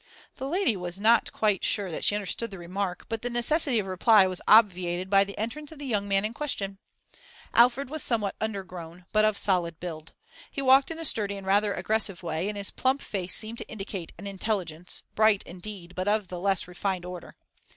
The lady was not quite sure that she understood the remark, but the necessity of reply was obviated by the entrance of the young man in question. Alfred was somewhat undergrown, but of solid build. He walked in a sturdy and rather aggressive way, and his plump face seemed to indicate an intelligence, bright, indeed, but of the less refined order.